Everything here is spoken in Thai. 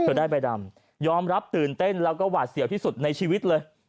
ได้ใบดำยอมรับตื่นเต้นแล้วก็หวาดเสียวที่สุดในชีวิตเลย